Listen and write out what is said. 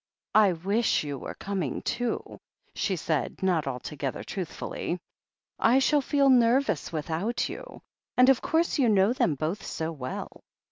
"I wish you were coming too," she said, not alto gether truthfully. "I shall feel nervous without you, and of course you know them both so well."